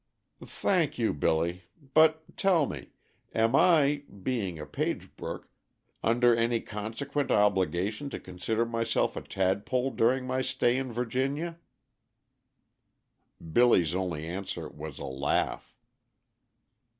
"Thank you, Billy; but tell me, am I, being a Pagebrook, under any consequent obligation to consider myself a tadpole during my stay in Virginia?" Billy's only answer was a laugh.